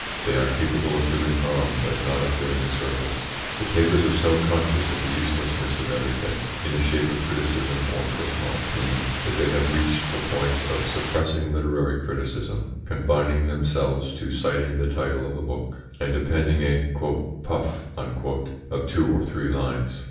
They are capable of doing harm, but not of doing a service. The papers are so conscious of the uselessness of everything in the shape of criticism or personal opinion, that they have reached the point of suppressing literary criticism, confining themselves to citing the title of a book, and appending a "puff" of two or three lines.